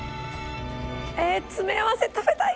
詰め合わせ食べたい！